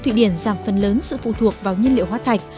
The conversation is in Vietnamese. thụy điển đã làm phần lớn sự phụ thuộc vào nhân liệu hóa thạch